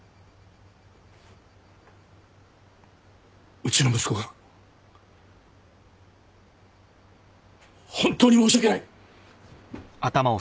うちの息子が本当に申し訳ない！